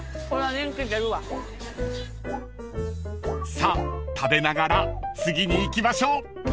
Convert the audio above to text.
［さあ食べながら次に行きましょう］